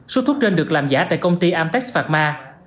số thuốc trên được làm giả tại công ty amtex pharma